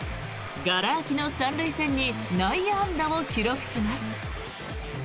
がら空きの３塁線に内野安打を記録します。